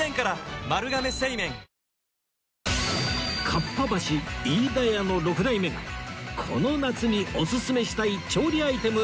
かっぱ橋飯田屋の６代目がこの夏におすすめしたい調理アイテム